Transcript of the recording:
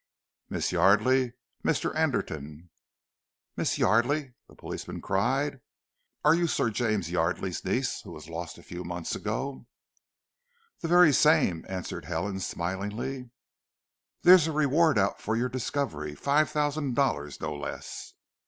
"Miss Yardely; Mr. Anderton!" "Miss Yardely!" the policeman cried. "Are you Sir James Yardely's niece, who was lost a few months ago?" "The very same," answered Helen smilingly. "There's a reward out for your discovery five thousand dollars, no less."